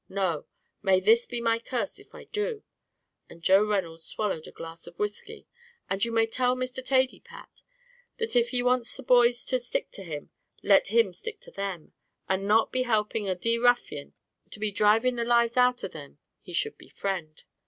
No; may this be my curse if I do!" and Joe Reynolds swallowed a glass of whiskey; "and you may tell Mr. Thady, Pat, if he wants the boys to stick to him, let him stick to them, and not be helping a d d ruffian to be dhriving the lives out of them he should befriend.